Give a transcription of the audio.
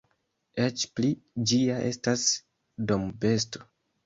Eĉ pli: ĝi ja estas dombesto.